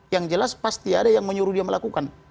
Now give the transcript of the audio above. yang jelas pasti ada yang menyuruh dia melakukan